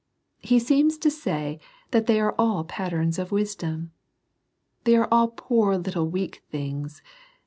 He seems to say that they are all patterns of wisdom. They are all poor little weak things.